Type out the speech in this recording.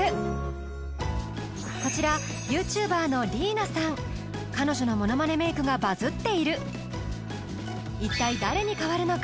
こちら彼女のものまねメイクがバズっている一体誰に変わるのか？